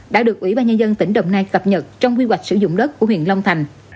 đã được ủy ban nhân dân tỉnh đồng nai cập nhật trong quy hoạch sử dụng đất của huyện long thành